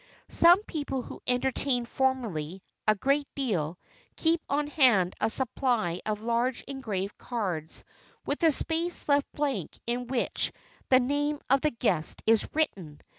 Some people who entertain formally a great deal keep on hand a supply of large engraved cards with a space left blank in which the name of the guest is written.